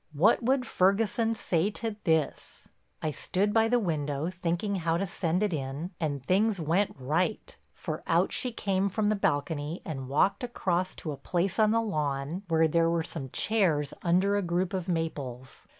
What would Ferguson say to this? I stood by the window, thinking how to send it in, and things went right for out she came from the balcony and walked across to a place on the lawn where there were some chairs under a group of maples.